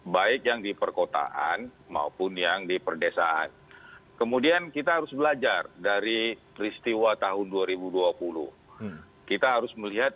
berarti kita harus melihat